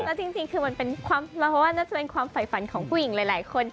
แล้วจริงคือมันเป็นความเราว่าน่าจะเป็นความฝ่ายฝันของผู้หญิงหลายคน